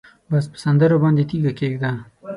بس په سندرو باندې تیږه کېږده